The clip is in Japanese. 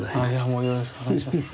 もうよろしくお願いします。